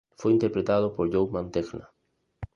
Fue interpretado por Joe Mantegna.